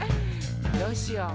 どうしよう？